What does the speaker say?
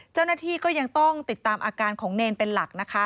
เจ้าหน้าที่ก็ยังต้องติดตามอาการของเนรเป็นหลักนะคะ